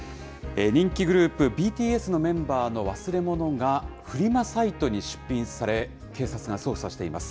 人気グループ、ＢＴＳのメンバーの忘れ物がフリマサイトに出品され、警察が捜査しています。